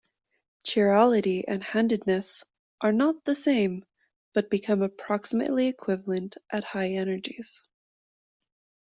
Chirality and handedness are not the same, but become approximately equivalent at high energies.